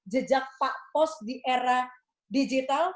jejak pak pos di era digital